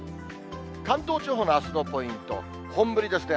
関東地方のあすのポイント、本降りですね。